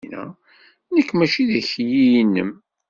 Nekk mačči d akli-inem.